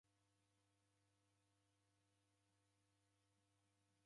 Mlamba ghwafunya mboi righokie.